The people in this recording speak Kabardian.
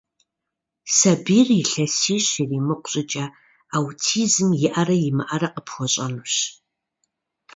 Сабийр илъэсищ иримыкъу щӀыкӀэ аутизм иӀэрэ имыӀэрэ къыпхуэщӀэнущ.